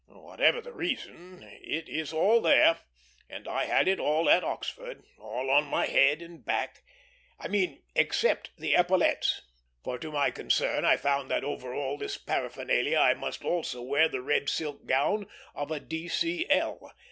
Whatever the reason, it is all there, and I had it all at Oxford; all on my head and back, I mean, except the epaulettes. For to my concern I found that over all this paraphernalia I must also wear the red silk gown of a D.C.L.